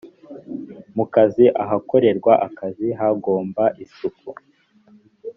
mu kazi ahakorerwa akazi hagomba isuku